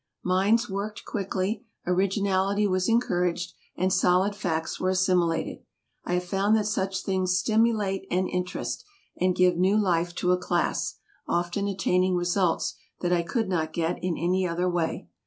Minds worked quickly, originality was encouraged, and solid facts were assimilated. I have found that such things stimulate and interest, and give new life to a class, often attaining results that I could not get in any other way.